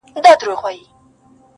خو دې زما د مرگ د اوازې پر بنسټ~